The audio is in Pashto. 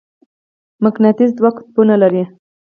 مقناطیس دوه قطبونه لري.